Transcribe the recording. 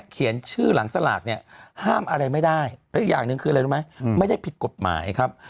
เขียนชื่อหลังสลากเนี่ยห้ามอะไรไม่ได้แล้วอีกอย่างหนึ่งคืออะไรรู้ไหมไม่ได้ผิดกฎหมายครับ